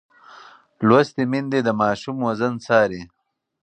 لوستې میندې د ماشوم وزن څاري.